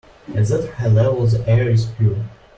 At that high level the air is pure.